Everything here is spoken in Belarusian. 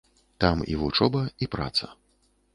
Там і вучоба, і праца.